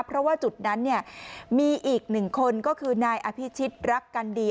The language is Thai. เพราะว่าจุดนั้นมีอีกหนึ่งคนก็คือนายอภิชิตรักกันดี